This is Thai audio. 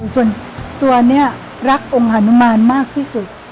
ส่วนตัวนี้รักองค์ฮานุมานมากที่สุด